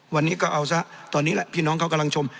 วันนี้ก็เอาซะตอนนี้แหละพี่น้องเขากำลังชม